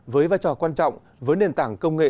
với vai trò quan trọng với nền tảng công nghệ